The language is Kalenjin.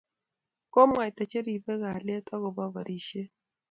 Komwaita che ribei kalyet ak kobo barishet